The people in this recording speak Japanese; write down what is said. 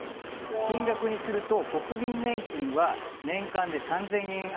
金額にすると国民年金は年間で３０００円